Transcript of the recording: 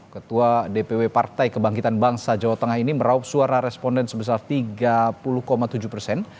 ketua dpw partai kebangkitan bangsa jawa tengah ini meraup suara responden sebesar tiga puluh tujuh persen